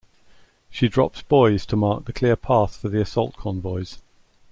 She dropped buoys to mark the clear path for the assault convoys.